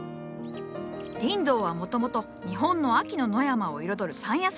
リンドウはもともと日本の秋の野山を彩る山野草じゃ。